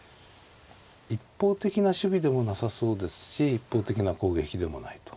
一方的な守備でもなさそうですし一方的な攻撃でもないと。